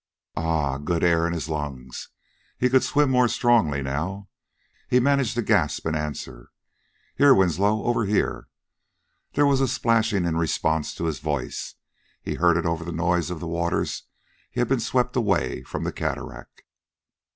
Ah, the good air in his lungs he could swim more strongly now. He managed to gasp an answer: "Here, Winslow, over here!" There was a splashing in response to his voice. He heard it over the noise of the waters he had been swept away from the cataract.